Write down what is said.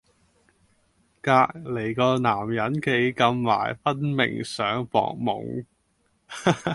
隔離嗰男人企咁埋分明想博懵